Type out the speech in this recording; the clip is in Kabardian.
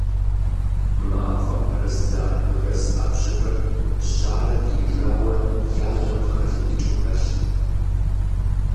МафӀэм пэрыздза жэз Ӏэбжьыбыр жьарэ диижауэ яжьэм къыхэлыдыкӀыу хэлът.